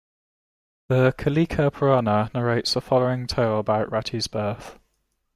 The "Kalika Purana" narrates the following tale about Rati's birth.